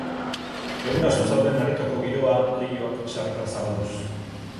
Egurastu zauden aretoko giroa leihoak sarritan zabalduz.